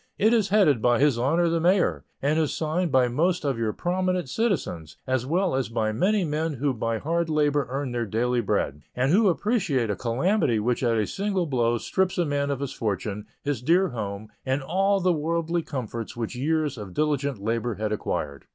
It is headed by His Honor the Mayor, and is signed by most of your prominent citizens, as well as by many men who by hard labor earn their daily bread, and who appreciate a calamity which at a single blow strips a man of his fortune, his dear home, and all the worldly comforts which years of diligent labor had acquired.